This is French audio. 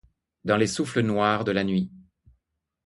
Dans les souffles noirs. de la nuit.